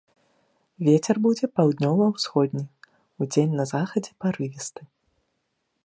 Вецер будзе паўднёва-ўсходні, удзень на захадзе парывісты.